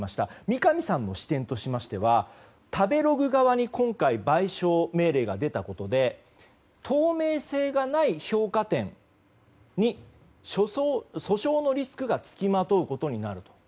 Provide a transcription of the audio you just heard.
三上さんの視点としましては食べログ側に今回賠償命令が出たことで透明性がない評価点に訴訟のリスクが付きまとうことになると。